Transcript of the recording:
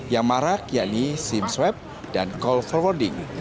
yang marak yakni sim swab dan call forwarding